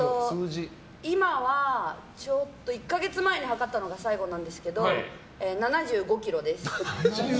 今は１か月前に量ったのが最後なんですけど７５ｋｇです。